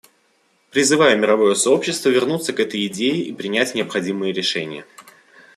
Призываю мировое сообщество вернуться к этой идее и принять необходимые решения.